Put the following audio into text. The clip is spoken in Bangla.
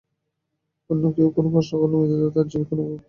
অন্য কেউ কোনো প্রশ্ন করলে মৃতদেহ বা তার জিভে কোনো বিকারই দেখা যায় না।